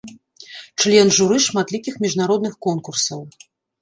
Член журы шматлікіх міжнародных конкурсаў.